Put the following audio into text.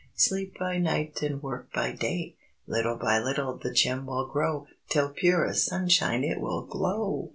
Sleep by night, and work by day! Little by little the gem will grow, Till pure as sunshine it will glow!